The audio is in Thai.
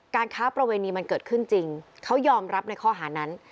ค้าประเวณีมันเกิดขึ้นจริงเขายอมรับในข้อหานั้น